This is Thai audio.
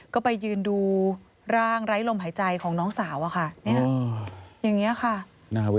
ก็ไปยืนดูร่างไร้ลมหายใจของน้องสาว